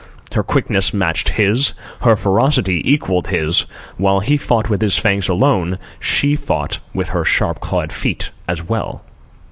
Her quickness matched his; her ferocity equalled his; while he fought with his fangs alone, and she fought with her sharp clawed feet as well.